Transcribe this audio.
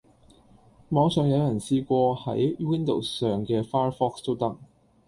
網上有人試過喺 Windows 上既 Firefox 都得